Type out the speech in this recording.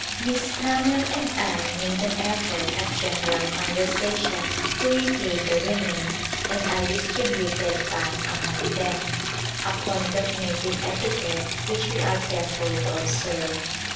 Miss Pannell and I made an effort at general con versation to include the women and I distributed pan among them — a point of native etiquette which we are careful to observe.